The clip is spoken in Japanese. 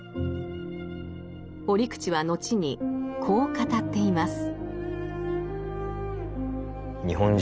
折口は後にこう語っています。